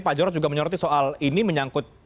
pak jarod juga menyoroti soal ini menyangkut